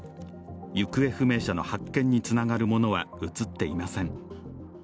行方不明者の発見につながるものは映っていません。